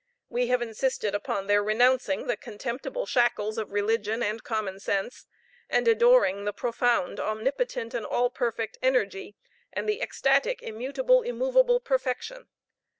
We have insisted upon their renouncing the contemptible shackles of religion and common sense, and adoring the profound, omnipotent, and all perfect energy, and the ecstatic, immutable, immovable perfection.